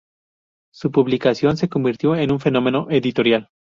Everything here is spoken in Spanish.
Su publicación se convirtió en un fenómeno editorial.